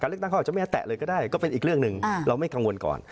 เลือกตั้งเขาอาจจะไม่ให้แตะเลยก็ได้ก็เป็นอีกเรื่องหนึ่งเราไม่กังวลก่อน